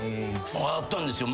あったんですよ。